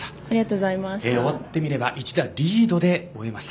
終わってみれば１打リードで終えました。